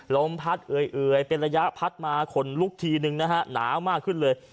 ลมพัดเอ่ยเป็นระยะพัดมาขนลุกทีนึงนะฮะหนาวมากขึ้นเลย